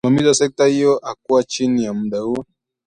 msimamizi wa sekta hiyo hakuwa nchini mda huo